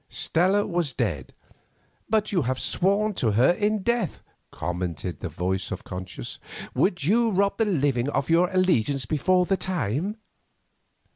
Stella was dead. "But you are sworn to her in death," commented the voice of Conscience. "Would you rob the living of your allegiance before the time?"